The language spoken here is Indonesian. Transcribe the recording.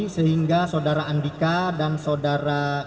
sehingga saudara andika dan saudara